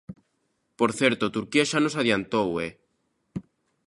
Por certo, Turquía xa nos adiantou, ¡eh!